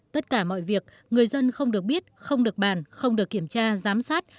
tất cả mọi việc người dân không được biết không được bàn không được kiểm tra giám sát